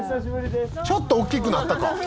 ちょっと大きくなったか。